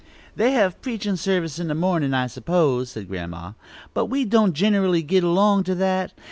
"They have preachin' service in the mornin', I suppose," said Grandma. "But we don't generally git along to that.